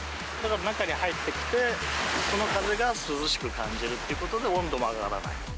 中に入ってきて、その風が涼しく感じるということで、温度も上がらない。